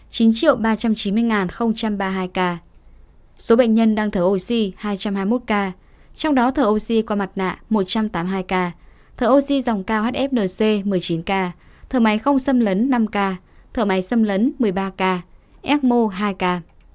số bệnh nhân đang thở oxy hai trăm hai mươi một ca trong đó thở oxy qua mặt nạ một trăm tám mươi hai ca thở oxy dòng cao hfnc một mươi chín ca thở máy không xâm lấn năm ca thở máy xâm lấn một mươi ba ca ecmo hai ca